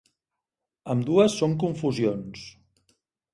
Ambdues són confusions.